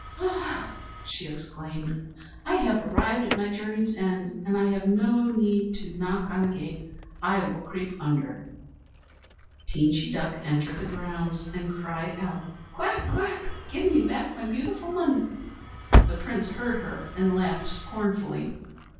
"Ah!" she exclaimed, "I have arrived at my journey's end, and I have no need to knock on the gate. I will creep under." What befell Teenchy Duck at the Castle Teenchy Duck entered the grounds and cried out: "Quack! quack! Give me back my beautiful money!" The Prince heard her and laughed scornfully.